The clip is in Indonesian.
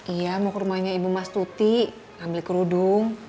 iya mau ke rumahnya ibu mas tuti ambil kerudung